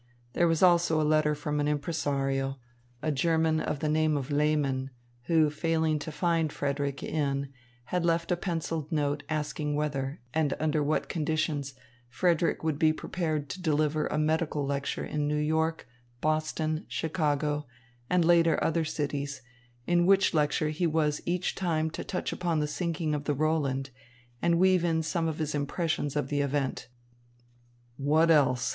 There was also a letter from an impresario, a German of the name of Lehmann, who, failing to find Frederick in, had left a pencilled note asking whether, and under what conditions, Frederick would be prepared to deliver a medical lecture in New York, Boston, Chicago, and later other cities, in which lecture he was each time to touch upon the sinking of the Roland and weave in some of his impressions of the event. "What else?"